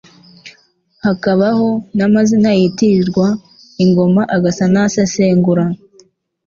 hakabaho n'amazina yitirirwa ingoma agasa n'asesengura